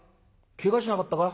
けがしなかったか？